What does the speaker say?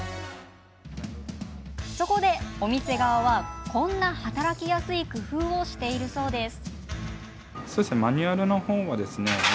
そこで、お店側はこんな働きやすい工夫をしているそうです。